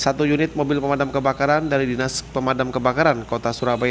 satu unit mobil pemadam kebakaran dari dinas pemadam kebakaran kota surabaya